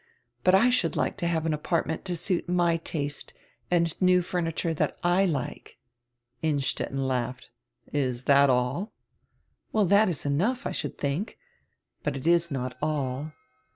But I should like to have an apart ment to suit my taste, and new furniture drat I like." Innstetten laughed. "Is diat all?" "Well, drat is enough, I should think. But it is not all."